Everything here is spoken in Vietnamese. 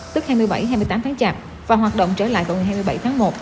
tức hai mươi bảy hai mươi tám tháng chạp và hoạt động trở lại vào ngày hai mươi bảy tháng một